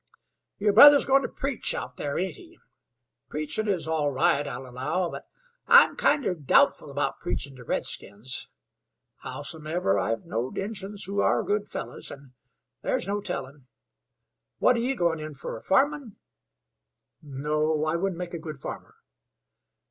"Yer brother's goin' to preach out here, ain't he? Preachin' is all right, I'll allow; but I'm kinder doubtful about preachin' to redskins. Howsumever, I've knowed Injuns who are good fellows, and there's no tellin'. What are ye goin' in fer farmin'?" "No, I wouldn't make a good farmer."